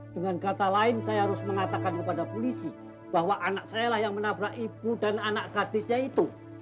dengan kata lain saya harus mengatakan kepada polisi bahwa anak saya lah yang menabrak ibu dan anak gadisnya itu